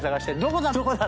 どこだ？